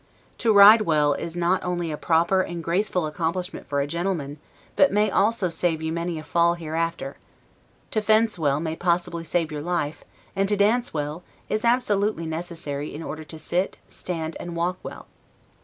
To ride well, is not only a proper and graceful accomplishment for a gentleman, but may also save you many a fall hereafter; to fence well, may possibly save your life; and to dance well, is absolutely necessary in order to sit, stand, and walk well.